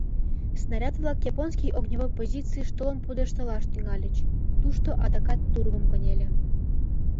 Снаряд-влак японский огневой позицийыш толын пудештылаш тӱҥальыч, тушто адакат тургым кынеле.